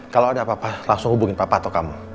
kalau ada apa apa langsung hubungin papa atau kamu